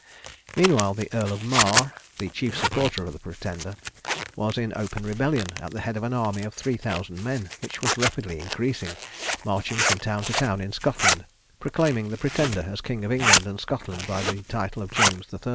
Meanwhile the Earl of Mar, the chief supporter of the Pretender, was in open rebellion at the head of an army of 3000 men, which was rapidly increasing, marching from town to town in Scotland, proclaiming the Pretender as King of England and Scotland, by the title of James III.